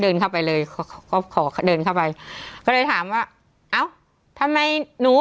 เดินเข้าไปเลยเขาก็ขอเดินเข้าไปก็เลยถามว่าเอ้าทำไมหนู